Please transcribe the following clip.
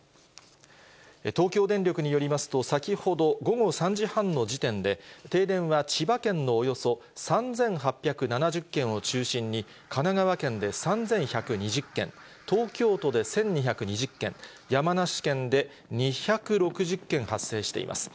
東京電力によりますと、先ほど午後３時半の時点で、停電は千葉県のおよそ３８７０軒を中心に、神奈川県で３１２０軒、東京都で１２２０軒、山梨県で２６０軒発生しています。